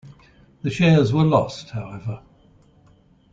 The shares were lost, however.